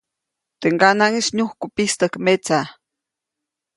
Teʼ ŋganaʼŋis nyujku pistäjk metsa.